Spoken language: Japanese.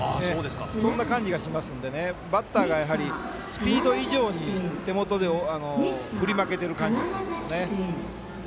そんな感じがしますのでバッターがスピード以上に手元に振り負けてる感じがするんですよね。